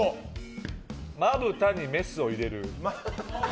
まぶたにメスを入れる。